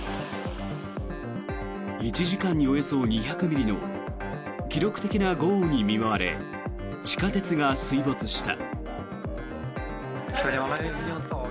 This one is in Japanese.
１時間におよそ２００ミリの記録的な豪雨に見舞われ地下鉄が水没した。